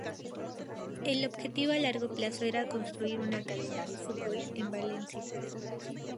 El objetivo a largo plazo era constituir una academia de fútbol en Valencia.